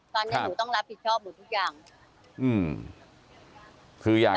ตอนนี้หนูต้องรับผิดชอบหนูทุกอย่าง